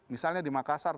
misalnya di makassar